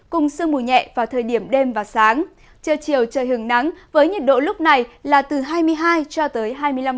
cùng sương mù nhẹ vào thời điểm đêm và sáng trưa chiều trời hừng nắng với nhiệt độ lúc này là từ hai mươi hai cho tới hai mươi năm độ